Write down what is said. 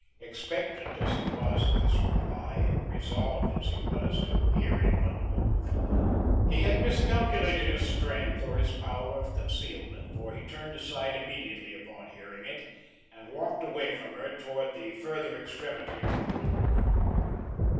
Expectant as he was of this reply, and resolved as he was, to hear it unmoved, he had miscalculated his strength or his power of concealment, for he turned aside immediately upon hearing it, and walked away from her towards the further extremity of the room.